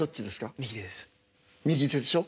右でしょ？